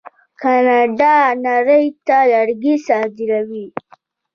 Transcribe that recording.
کاناډا نړۍ ته لرګي صادروي.